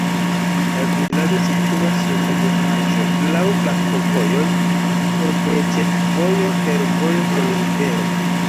La vilaĝo situas sur ebenaĵo, laŭ flankovojoj, for de ĉefvojo, fervojo kaj rivero.